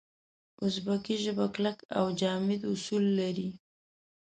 اوزبکي ژبه کلک او جامد اصول لري.